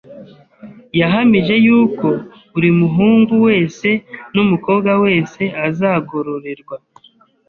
yahamije y’uko buri muhungu wese n’umukobwa wese azagororerwa